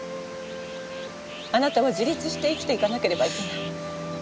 あなたは自立して生きていかなければいけない。